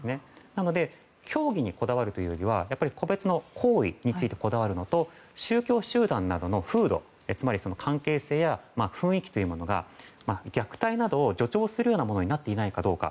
やっぱり教義にこだわるよりかは個別の行為についてこだわるのと宗教集団などの風土つまり、関係性や雰囲気が虐待などを助長するようなものになっていないかどうか。